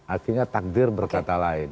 artinya takdir berkata lain